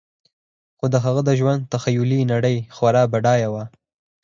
خو د هغه د ژوند تخیلي نړۍ خورا بډایه وه